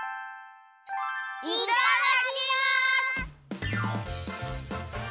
いただきます！